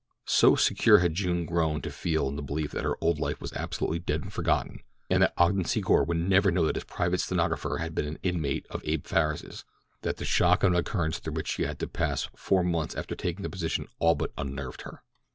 So secure had June grown to feel in the belief that her old life was absolutely dead and forgotten, and that Ogden Secor would never know that his private stenographer had been an inmate of Abe Farris's, that the shock of an occurrence through which she had to pass four months after taking the position all but unnerved her.